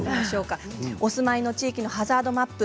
お住まいの地域のハザードマップ